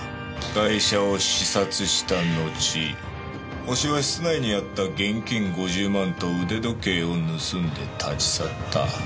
ガイシャを刺殺した後ホシは室内にあった現金５０万と腕時計を盗んで立ち去った。